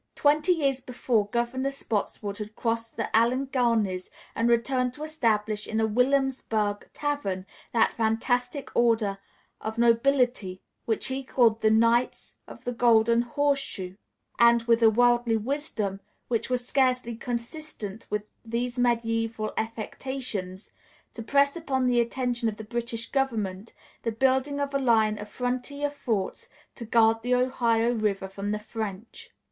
Twenty years before Governor Spotswood had crossed the Alleghanies and returned to establish in a Williamsburg tavern that fantastic order of nobility which he called the Knights of The Golden Horseshoe, [Footnote: Their motto was Sic jurat transcendere montes.] and, with a worldly wisdom which was scarcely consistent with these medieval affectations, to press upon the attention of the British Government the building of a line of frontier forts to guard the Ohio River from the French.